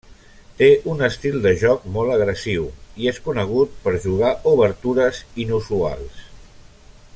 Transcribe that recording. Té un estil de joc molt agressiu, i és conegut per jugar obertures inusuals.